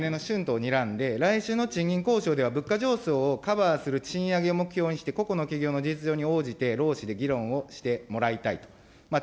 まずですね、総理は、恐らく来年の春闘をにらんで、来週の賃金交渉では、物価上昇をカバーする賃上げを目標にして、個々の企業の実情に応じて、労使で議論をしてもらいたいと。